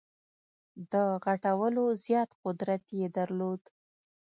د غټولو زیات قدرت یې درلود.